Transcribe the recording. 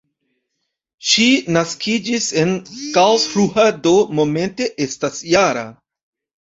Ŝi naskiĝis en Karlsruhe, do momente estas -jara.